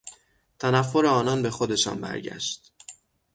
تنفر آنان به خودشان برگشت.